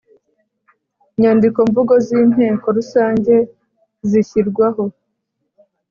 Inyandiko mvugo z inteko rusange zishyirwaho